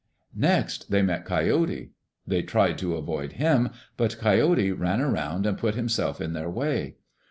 Next they met Coyote. They tried to avoid him, but Coyote ran around and put himself in their way.